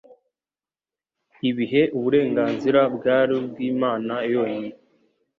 ibihe uburenganzira bwari ubw'Imana yonyine,